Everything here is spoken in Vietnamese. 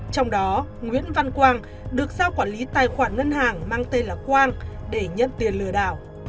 trong đó nguyễn văn quang được giao quản lý tài khoản ngân hàng mang tên là quang để nhận tiền lừa đảo